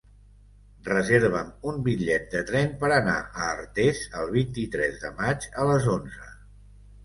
Reserva'm un bitllet de tren per anar a Artés el vint-i-tres de maig a les onze.